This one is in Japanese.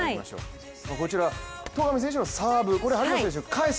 こちら戸上選手のサーブ、これを張本選手が返す。